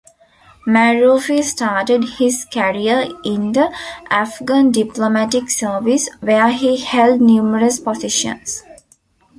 Maroofi started his career in the Afghan diplomatic service where he held numerous positions.